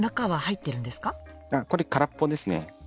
これ空っぽですね。